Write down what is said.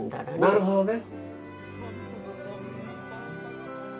なるほどね。